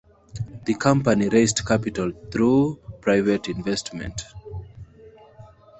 The company raised capital through private investment.